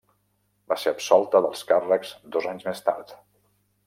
Va ser absolta dels càrrecs dos anys més tard.